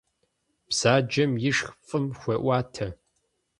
Бзаджэм ишх фӀым хуеӀуатэ.